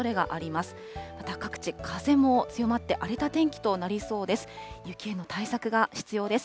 また各地、風も強まって、荒れた天気となりそうです。